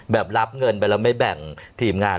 แบบรับเงินไปแล้วไม่แบ่งทีมงาน